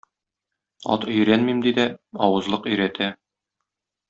Ат өйрәнмим ди дә, авызлык- өйрәтә.